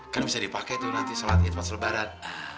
kan bisa dipake tuh nanti selatih tempat selebaran